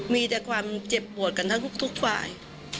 มีแต่ความเจ็บปวดกันทั้งทุกฝ่าย